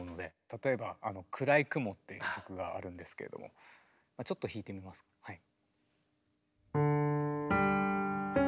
例えば「暗い雲」っていう曲があるんですけれどもちょっと弾いてみますはい。